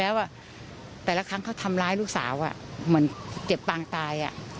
อาจทำร้ายลูกสาวเหมือนเจ็บปางตาย